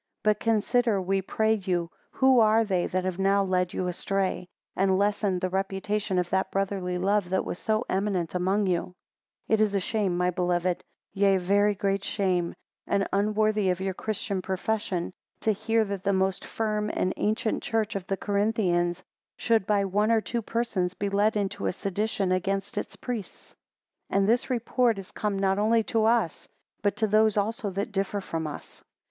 23 But consider, we pray you, who are they that have now led you astray; and lessened the reputation of that brotherly love that was so eminent among you; 24 It is a shame, my beloved, yea, a very great shame, and unworthy of your Christian profession, to hear that the most firm and ancient church of the Corinthians should, by one or two persons, be led into a sedition against its priests. 25 And this report is come not only to us, but to those also that differ from us.